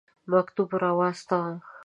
مکتوب را واستاوه.